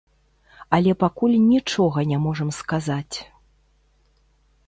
Але пакуль нічога не можам сказаць.